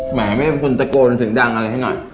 หมายถึงคุณตะโกนถึงดังอะไรให้หน่อย